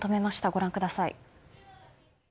ご覧ください。